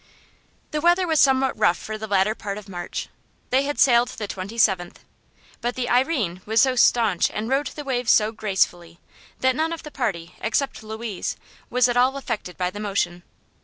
The weather was somewhat rough for the latter part of March they had sailed the twenty seventh but the "Irene" was so staunch and rode the waves so gracefully that none of the party except Louise was at all affected by the motion.